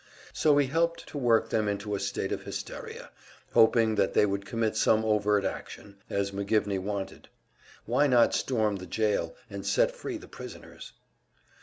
So he helped to work them into a state of hysteria, hoping that they would commit some overt action, as McGivney wanted. Why not storm the jail and set free the prisoners?